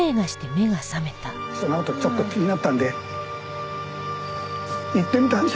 そのあとちょっと気になったんで行ってみたんじゃ。